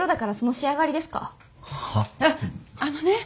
ああのね